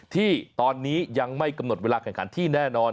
ที่ตอนนี้ยังไม่กำหนดเวลาแข่งขันที่แน่นอน